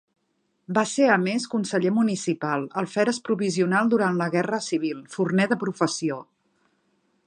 Va ser a més conseller municipal, alferes provisional durant la Guerra Civil, forner de professió.